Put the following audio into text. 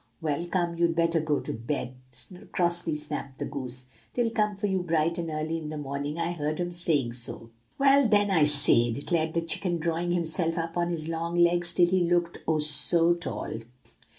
"'Well, come, you'd better go to bed!' crossly snapped the goose; 'they'll come for you bright and early in the morning. I heard 'em saying so.' "'Well! then I say,' declared the chicken, drawing himself up on his long legs till he looked, oh, so tall!